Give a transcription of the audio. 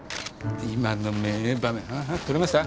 今の名場面撮れました？